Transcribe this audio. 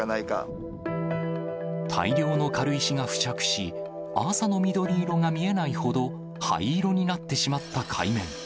大量の軽石が付着し、アーサの緑色が見えないほど、灰色になってしまった海面。